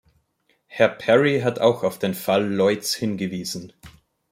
Herr Perry hat auch auf den Fall Lloyd' s hingewiesen.